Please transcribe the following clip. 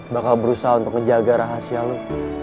bakal berusaha untuk menjaga rahasia lo